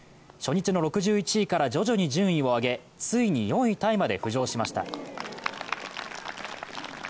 初日の６１位から徐々に順位を上げ、ついに４位タイまで浮上しました。